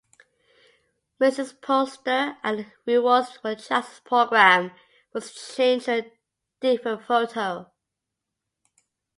Mursi's poster at the Rewards for Justice Program was changed to a different photo.